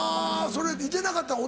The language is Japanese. それいてなかったの？